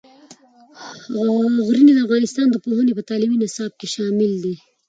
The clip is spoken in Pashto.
غزني د افغانستان د پوهنې په تعلیمي نصاب کې شامل دی.